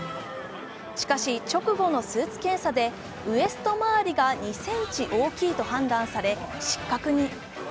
しかし、直後のスーツ検査でウエスト周りが２ｃｍ大きいと判断され失格に。